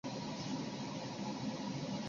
本种果实因具刺状物而得名刺蒺藜。